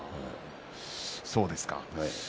そうですか。